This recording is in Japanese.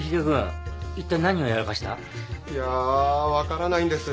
いや分からないんです。